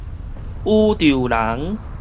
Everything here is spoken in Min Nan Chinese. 宇宙人